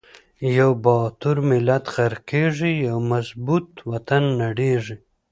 یو با تور ملت غر قیږی، یو مظبو ط وطن نړیزی